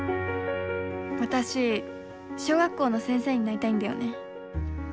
私小学校の先生になりたいんだよね。